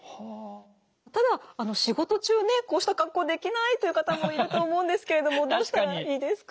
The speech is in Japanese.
ただ仕事中ねこうした格好できないという方もいると思うんですけれどもどうしたらいいですか？